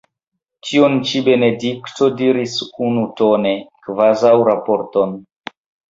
Tion ĉi Benedikto diris unutone, kvazaŭ raporton.